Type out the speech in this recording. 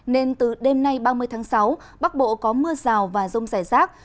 nên từ đêm nay ba mươi tháng sáu bắc bộ có mưa rào và rông rải rác